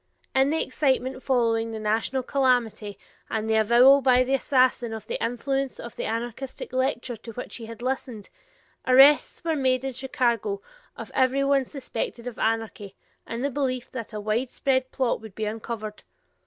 In the excitement following the national calamity and the avowal by the assassin of the influence of the anarchistic lecture to which he had listened, arrests were made in Chicago of every one suspected of anarchy, in the belief that a widespread plot would be uncovered.